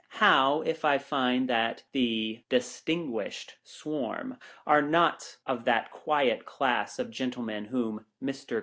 How, if I find that the distinguished swarm are not of that quiet class of gentlemen whom MR.